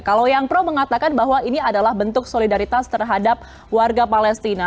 kalau yang pro mengatakan bahwa ini adalah bentuk solidaritas terhadap warga palestina